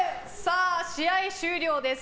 試合終了です。